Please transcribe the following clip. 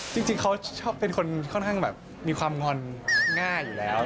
จริงเขาเป็นคนค่อนข้างแบบมีความงอนง่ายอยู่แล้ว